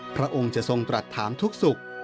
พระองค์จะทรงตรัสถามทุกสุข